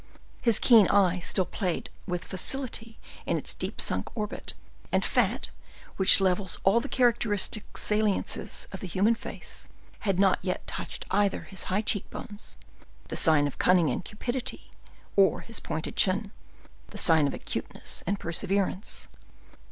His keen eye still played with facility in its deep sunk orbit; and fat, which levels all the characteristic saliences of the human face, had not yet touched either his high cheek bones, the sign of cunning and cupidity, or his pointed chin, the sign of acuteness and perseverance.